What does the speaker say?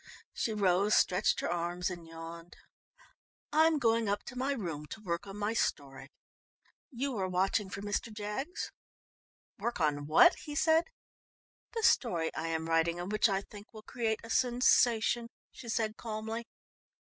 She rose, stretched her arms and yawned. "I'm going up to my room to work on my story. You are watching for Mr. Jaggs?" "Work on what?" he said. "The story I am writing and which I think will create a sensation," she said calmly.